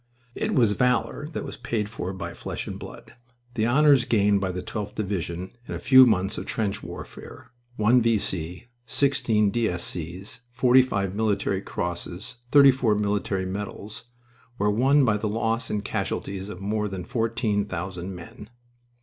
It was valor that was paid for by flesh and blood. The honors gained by the 12th Division in a few months of trench warfare one V. C., sixteen D. S. C.'s, forty five Military Crosses, thirty four Military Medals were won by the loss in casualties of more than fourteen thousand men.